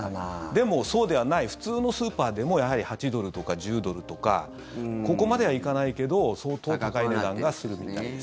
でも、そうではない普通のスーパーでもやはり８ドルとか１０ドルとかここまではいかないけど相当、お値段がするみたいです。